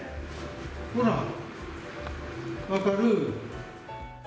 ほら、分かる？